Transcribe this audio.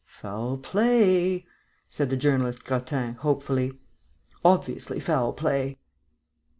"Foul play," said the journalist Grattan, hopefully. "Obviously foul play."